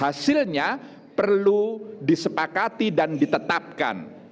hasilnya perlu disepakati dan ditetapkan